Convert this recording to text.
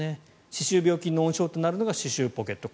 歯周病菌の温床となるのが歯周ポケット